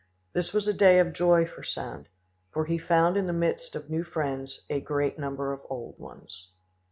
This was a day of joy for Sand; for he found in the midst of new friends a great number of old ones.